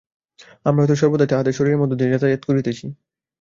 আমরা হয়তো সর্বদাই তাহাদের শরীরের মধ্য দিয়া যাতায়াত করিতেছি।